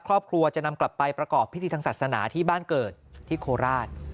ครอบครัวจะนำกลับไปประกอบพิธีทางศาสนาที่บ้านเกิดที่โคราช